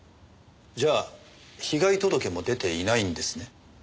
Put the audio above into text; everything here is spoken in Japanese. じゃあ被害届も出ていないんですね？